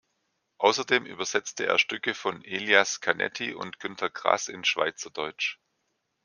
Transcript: Ausserdem übersetzte er Stücke von Elias Canetti und Günter Grass in Schweizerdeutsch.